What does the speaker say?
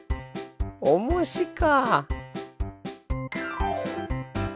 おもしか。